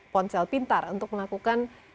ponsel pintar untuk melakukan